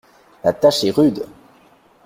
La tâche est rude!